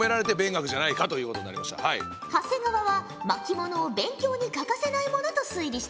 長谷川は巻物を勉強に欠かせないものと推理したんじゃな。